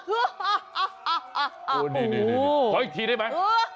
ฮือฮ่าหื้อออออออออ่ะ